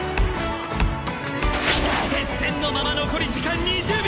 接戦のまま残り時間２０秒。